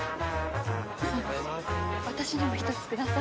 私にも１つください。